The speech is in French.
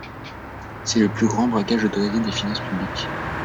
C’est le plus grand braquage autorisé des finances publiques.